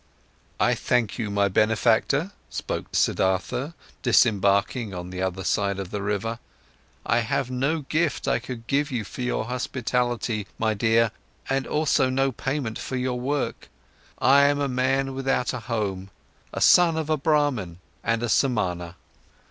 "I thank you, my benefactor," spoke Siddhartha, disembarking on the other side of the river. "I have no gift I could give you for your hospitality, my dear, and also no payment for your work. I am a man without a home, a son of a Brahman and a Samana."